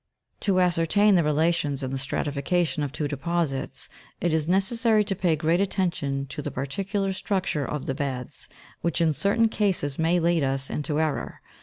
To ascertain the relations in the stratification of two deposits, it is necessary to pay great attention to the particular structure of the beds, which in certain cases may lead us into error.